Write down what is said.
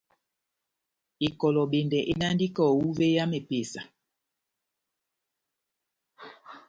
Ekolobendɛ edandi kaho uvé ya mepesa.